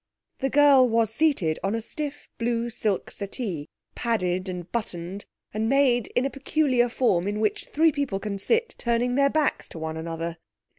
The girl was seated on a stiff, blue silk settee, padded and buttoned, and made in a peculiar form in which three people can sit, turning their backs to one another.